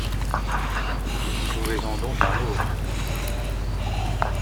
Trouvez-en donc un autre.